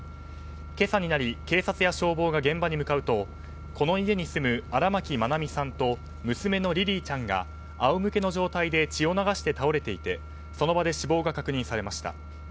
今朝になり警察や消防が現場に向かうとこの家に住む荒牧愛美さんと娘のリリィちゃんがあおむけの状態で血を流して倒れていてその場で死亡が確認されました。